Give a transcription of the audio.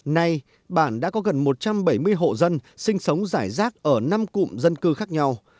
nay bản đã có gần một trăm bảy mươi hộ dân sinh sống giải rác ở năm cụm dân cư khác nhau